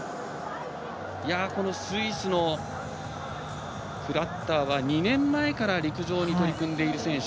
このスイスのクラッターは２年前から陸上に取り組んでいる選手。